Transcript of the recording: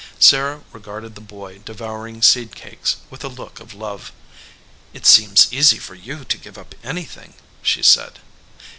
Sarah regarded the boy devouring seed cakes, with a look of love. "It seems easy for you to give up anything," she said.